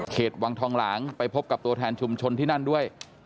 วังทองหลางไปพบกับตัวแทนชุมชนที่นั่นด้วย